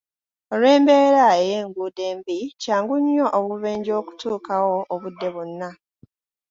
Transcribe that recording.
Olw'embeera ey'enguudo embi , kyangu nnyo obubenje okutuukawo obudde bwonna.